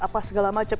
apa segala macam